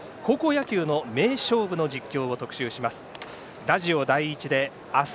高校野球の名実況を特集します。